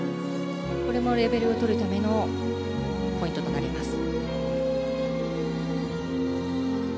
これもレベルを取るためのポイントとなります。